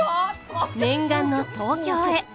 念願の東京へ。